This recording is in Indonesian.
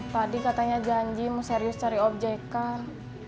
tadi katanya janji mau serius cari objek kan